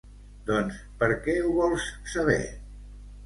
Doncs per què ho vols saber?